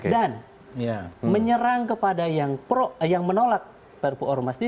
dan menyerang kepada yang menolak perpu ormas ini